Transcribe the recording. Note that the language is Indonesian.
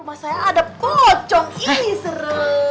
rumah saya ada pocong ini serem